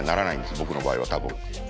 僕の場合は多分。